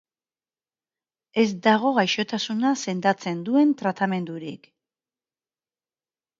Ez dago gaixotasuna sendatzen duen tratamendurik.